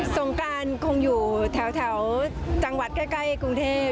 สงการคงอยู่แถวจังหวัดใกล้กรุงเทพ